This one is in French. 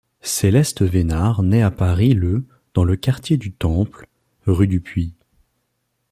Céleste Venard naît à Paris le dans le quartier du Temple, rue du Puits.